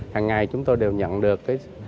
hằng ngày chúng tôi đều nhận được